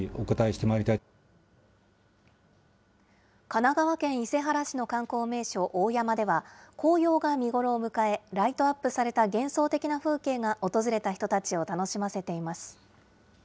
神奈川県伊勢原市の観光名所、大山では紅葉が見頃を迎え、ライトアップされた幻想的な風景が訪れた人たちを楽しませています。